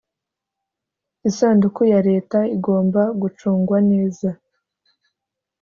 isanduku yareta igomba gucungwa neza